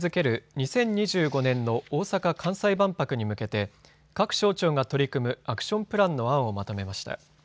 ２０２５年の大阪・関西万博に向けて各省庁が取り組むアクションプランの案をまとめました。